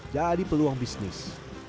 jadi peluang bisnis